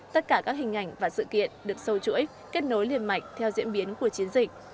tất cả các hình ảnh và sự kiện được sâu chuỗi kết nối liên mạch theo diễn biến của chiến dịch